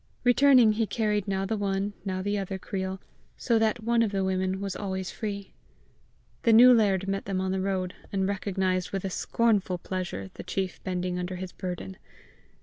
Returning, he carried now the one, now the other creel, so that one of the women was always free. The new laird met them on the road, and recognized with a scornful pleasure the chief bending under his burden.